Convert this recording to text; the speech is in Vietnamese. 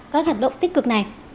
các hạt động tích cực này